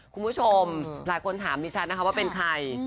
คุณผู้ชมหลายคนถามดิฉันนะคะว่าเป็นใคร